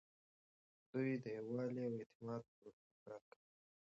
دوی د یووالي او اعتماد په روحیه کار کوي.